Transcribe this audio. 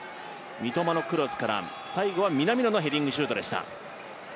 三笘のクロスから最後は南野のヘディングシュートでした。